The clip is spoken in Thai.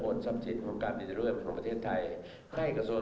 โนตทรัพสินคลมการโดรีมของประเทรดไทยให้กระส่วน